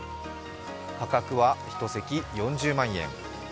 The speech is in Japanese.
価格は１席４０万円。